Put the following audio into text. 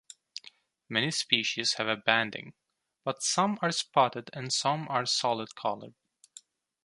Many species have banding, but some are spotted and some are solid-colored.